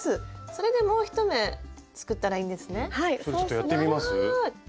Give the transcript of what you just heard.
ちょっとやってみます？